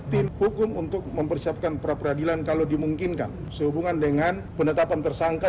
tim hukum untuk mempersiapkan pra peradilan kalau dimungkinkan sehubungan dengan penetapan tersangka